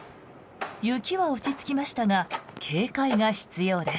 雪は落ち着きましたが警戒が必要です。